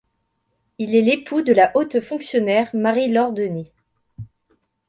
Il est l'époux de la haute fonctionnaire Marie-Laure Denis.